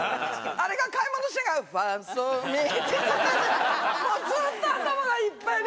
あれが買い物しながら、ファ、ソ、ミって、もうずっと頭がいっぱいで。